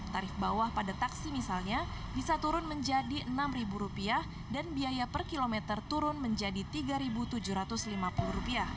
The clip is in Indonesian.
tarif bawah pada taksi misalnya bisa turun menjadi rp enam dan biaya per kilometer turun menjadi rp tiga tujuh ratus lima puluh